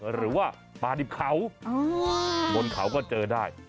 หรือว่าปลาดิบเขาบนเขาก็เจอได้